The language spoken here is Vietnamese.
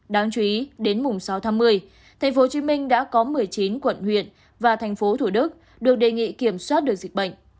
đáng chú ý đến mùng sáu tháng một mươi thành phố hồ chí minh đã có một mươi chín quận huyện và thành phố thủ đức được đề nghị kiểm soát được dịch bệnh